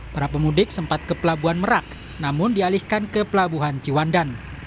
para pemudik sempat ke pelabuhan merak namun dialihkan ke pelabuhan ciwandan